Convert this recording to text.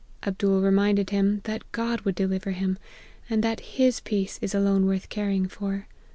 Abdool reminded him, that God would deliver him, and that His peace is alone worth caring for.